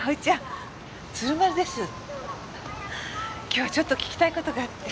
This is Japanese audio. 今日はちょっと聞きたい事があって。